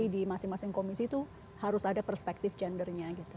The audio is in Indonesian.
jadi masing masing komisi itu harus ada perspektif gendernya gitu